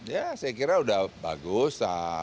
ya saya kira sudah bagus